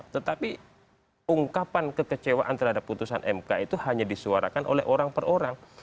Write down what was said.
tetapi ungkapan kekecewaan terhadap putusan mk itu hanya disuarakan oleh orang per orang